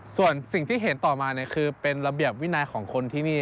ส่วนสิ่งที่เห็นต่อมาคือเป็นระเบียบวินัยของคนที่นี่